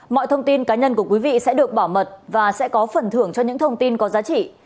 mọi thông tin cá nhân của quý vị sẽ được bảo mật và sẽ có phần thưởng cho những thông tin có giá trị